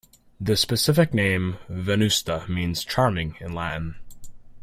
The specific name, "venusta", means "charming" in Latin.